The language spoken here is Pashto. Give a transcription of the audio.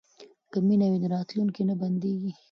که مینه وي نو راتلونکی نه بندیږي.